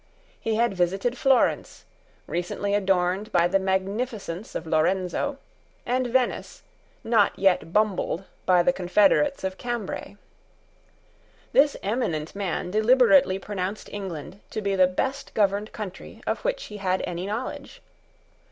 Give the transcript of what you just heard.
He had visited Florence, recently adorned by the magnificence of Lorenzo, and Venice, not yet bumbled by the Confederates of Cambray. This eminent man deliberately pronounced England to be the best governed country of which he had any knowledge.